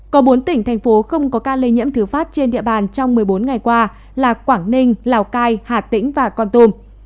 có bốn tỉnh thành phố không có ca lây nhiễm thứ phát trên địa bàn trong một mươi bốn ngày qua là quảng ninh lào cai hà tĩnh và con tum